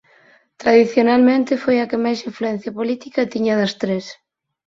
Tradicionalmente foi a que máis influencia política tiña das tres.